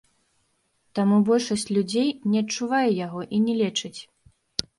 Таму большасць людзей не адчувае яго і не лечыць.